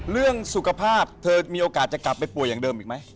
เรื่องสุขภาพเธอมีโอกาสจะกลับไปป่วยอย่างเดิมอีกไหม